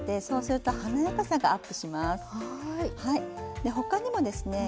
で他にもですね